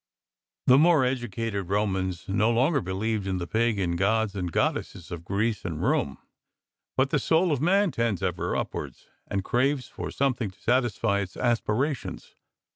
The more educated Romans no longer be lieved in the pagan gods and goddesses of Greece and Rome; but the soul of man tends ever upwards, and craves for something to satisfy Its aspirations.